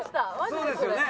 そうですよね。